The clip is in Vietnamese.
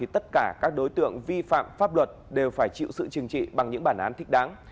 tất cả các đối tượng vi phạm pháp luật đều phải chịu sự chừng trị bằng những bản án thích đáng